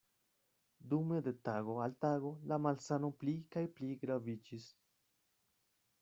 Dume de tago al tago la malsano pli kaj pli graviĝis.